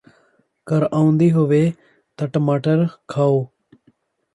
ਖੰਘ ਆਉਂਦੀ ਹੋਵੇ ਤਾਂ ਟਮਾਟਰ ਖਾਓ